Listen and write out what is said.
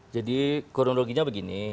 jadi kronologinya begini